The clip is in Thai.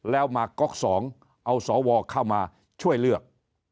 แล้วมาก๊อก๒เอาสวเข้ามาช่วยเลือก